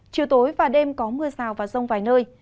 chiều tối và đêm có mưa rào và rông vài nơi